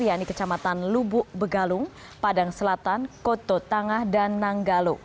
yaitu kecamatan lubuk begalung padang selatan koto tangah dan nanggalo